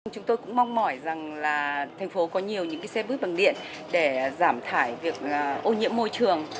chúng tôi cũng mong mỏi rằng là thành phố có nhiều những xe buýt bằng điện để giảm thải việc ô nhiễm môi trường